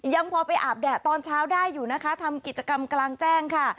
ยังพอไปอาบแดดตอนเช้าได้อยู่นะคะทำกิจกรรมกลางแจ้งค่ะ